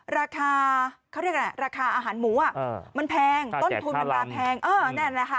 ราคาอาหารหมูมันแพงต้นทุนมันราคาแพง